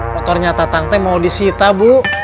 pokoknya tatang mau di sita bu